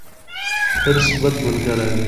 حرص، بد ملګری دی.